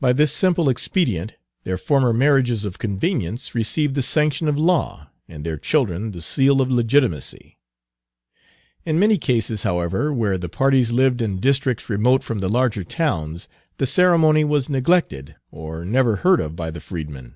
By this simple expedient their former marriages of convenience received the sanction of law, and their children the seal of legitimacy. In many cases, however, where the parties lived in districts remote from the larger towns, the ceremony was neglected, or never heard of by the freedmen.